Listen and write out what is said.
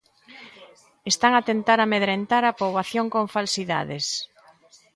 Están a tentar amedrentar a poboación con falsidades.